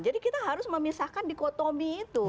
jadi kita harus memisahkan dikotomi itu